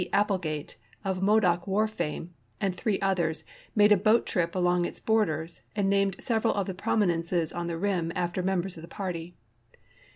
Applegate, of Modoc war fame, and three others, made a boat trip along its borders and named several of the prominences on the rim after members of the party.